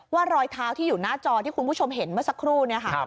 รอยเท้าที่อยู่หน้าจอที่คุณผู้ชมเห็นเมื่อสักครู่เนี่ยค่ะ